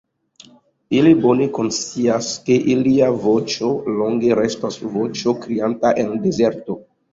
Ili bone konscias, ke ilia voĉo longe restos voĉo krianta en la dezerto.